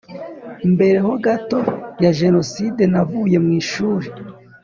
mbere ho gato ya genocide navuye mwishuri